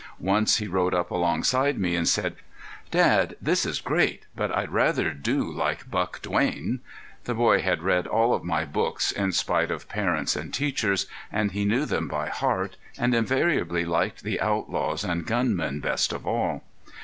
Once he rode up alongside me and said: "Dad, this's great, but I'd rather do like Buck Duane." The boy had read all of my books, in spite of parents and teachers, and he knew them by heart, and invariably liked the outlaws and gunmen best of all.